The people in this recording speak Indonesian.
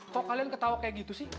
kok kalian ketawa kayak gitu sih